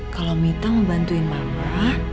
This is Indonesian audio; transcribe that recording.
kalau mita mau bantuin mama